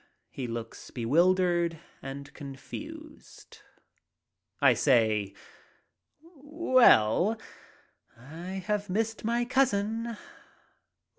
He looks bewildered and confused. I say, "Well — I have missed my cousin."